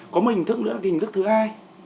có một hình thức nữa là hình thức thứ hai